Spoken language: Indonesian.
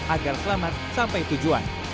agar selamat sampai tujuan